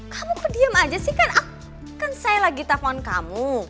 kamu kok diem aja sih kan saya lagi telfon kamu